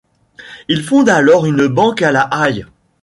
Il fonde alors une banque à La Haye.